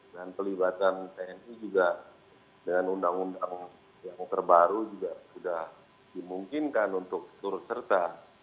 dan pelibatan tni juga dengan undang undang yang terbaru juga sudah dimungkinkan untuk turut serta